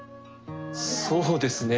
そうですね。